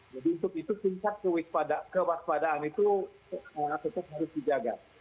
jadi untuk itu tingkat kewaspadaan itu tetap harus dijaga